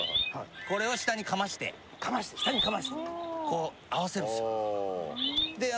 これを下にかましてかまして下にかましてこう合わせるんですよああ